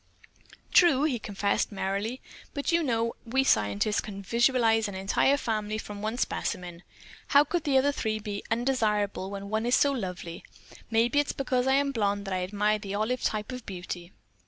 "True!" he confessed, merrily, "but you know we scientists can visualize an entire family from one specimen. How could the other three be undesirable when one is so lovely? Maybe it's because I am a blonde that I admire the olive type of beauty."